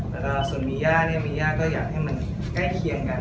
แล้วก็ส่วนมีย่าเนี่ยมีย่าก็อยากให้มันใกล้เคียงกัน